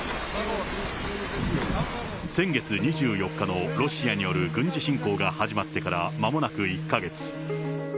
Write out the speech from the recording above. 先月２４日のロシアによる軍事侵攻が始まってから間もなく１か月。